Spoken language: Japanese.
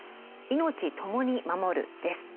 いのちともに守る」です。